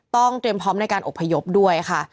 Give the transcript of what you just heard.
เตรียมพร้อมในการอบพยพด้วยค่ะ